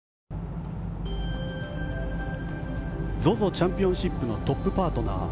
チャンピオンシップのトップパートナー